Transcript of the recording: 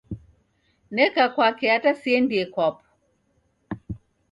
Neka kwake ata siendie kwapo